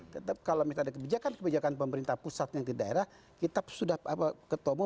tetap kalau misalnya ada kebijakan kebijakan pemerintah pusat yang di daerah kita sudah ketemu